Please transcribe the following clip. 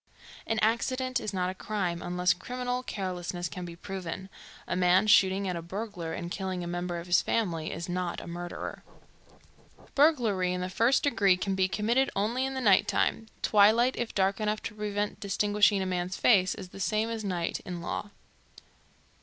An accident is not a crime, unless criminal carelessness can be proven. A man shooting at a burglar and killing a member of his family is not a murderer. Burglary in the first degree can be committed only in the night time. Twilight, if dark enough to prevent distinguishing a man's face, is the same as "night" in law.